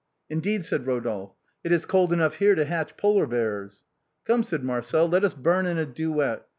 " Indeed," said Rodolphe, " it is cold enough here to hatch Polar bears." "Come," said Marcel, " let us burn in a duet.